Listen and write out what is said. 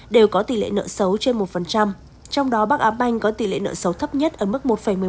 đều có tỷ lệ nợ xấu trên một trong đó bắc á banh có tỷ lệ nợ xấu thấp nhất ở mức một một mươi năm